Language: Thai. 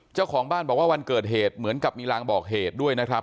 เจ้าของบ้านบอกว่าวันเกิดเหตุเหมือนกับมีรางบอกเหตุด้วยนะครับ